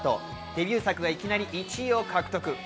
デビュー作がいきなり１位を獲得。